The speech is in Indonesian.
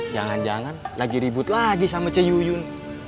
jangan jangan lagi ribut lagi sama ce yuyun